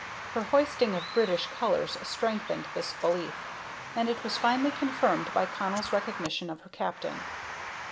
Her hoisting of British colors strengthened this belief, and it was finally confirmed by Connell's recognition of her captain.